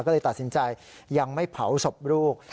ก็เลยตัดสินใจยังไม่เผาศพลูก